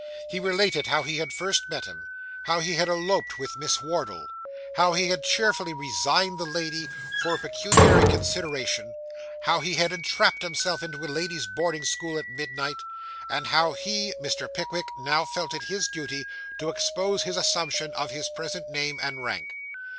He related how he had first met him; how he had eloped with Miss Wardle; how he had cheerfully resigned the lady for a pecuniary consideration; how he had entrapped himself into a lady's boarding school at midnight; and how he (Mr. Pickwick) now felt it his duty to expose his assumption of his present name and rank.